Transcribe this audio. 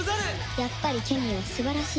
やっぱりケミーは素晴らしいよ。